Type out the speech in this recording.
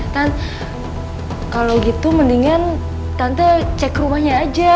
kan kalau gitu mendingan tante cek rumahnya aja